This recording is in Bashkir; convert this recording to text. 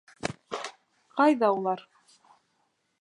Ҡайҙа улар?!